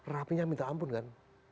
rapinya minta ampun kan